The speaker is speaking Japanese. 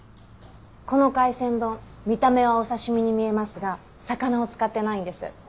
この海鮮丼見た目はお刺し身に見えますが魚を使ってないんです。